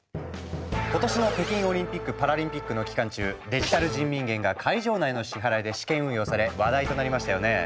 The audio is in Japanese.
今年の北京オリンピック・パラリンピックの期間中「デジタル人民元」が会場内の支払いで試験運用され話題となりましたよね。